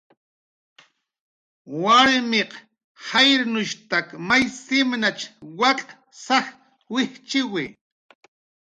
Warmiq jayrtak my simnach wak' saj wijchiwi.